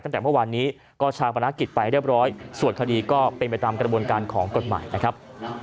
ตั้งแต่เมื่อวานนี้ก็ชาปนักกิจไปเรียบร้อยส่วนคดีก็เป็นไปตามกระบวนการของกฎหมายนะครับ